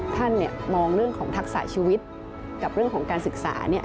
ท่านมองเรื่องของทักษะชีวิตกับเรื่องของการศึกษา